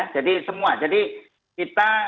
jadi semua jadi kita